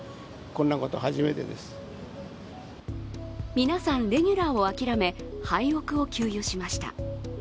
皆さん、レギュラーを諦めハイオクを給油しました。